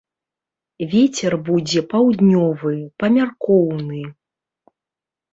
Вецер будзе паўднёвы, памяркоўны.